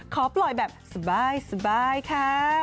ขอปล่อยแบบสบายค่ะ